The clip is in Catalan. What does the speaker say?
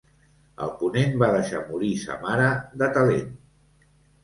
El ponent va deixar morir sa mare de talent.